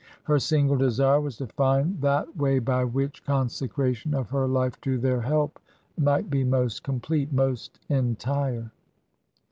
Her single desire was to find that way by which consecration of her life to their help might be most complete, most entire.